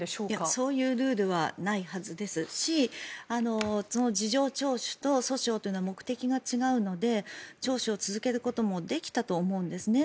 そういうルールはないはずですしその事情聴取と訴訟というのは目的が違うので聴取を続けることもできたと思うんですね。